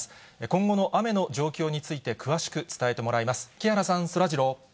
今後の雨の状況について詳しく伝えてもらいます。